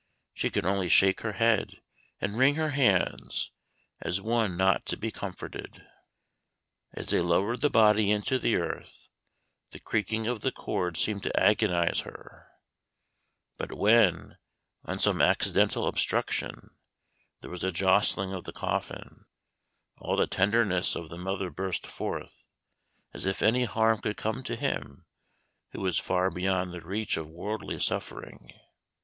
She could only shake her head, and wring her hands, as one not to be comforted. As they lowered the body into the earth, the creaking of the cords seemed to agonize her; but when, on some accidental obstruction, there was a jostling of the coffin, all the tenderness of the mother burst forth, as if any harm could come to him who was far beyond the reach of worldly suffering.